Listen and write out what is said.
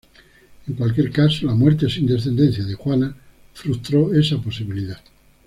En cualquier caso, la muerte sin descendencia de Juana frustró esa posibilidad.